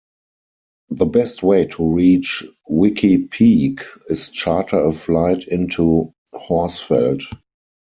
The best way to reach Wiki Peak is charter a flight into Horsfeld.